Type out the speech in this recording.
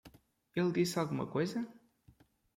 Ele disse alguma coisa?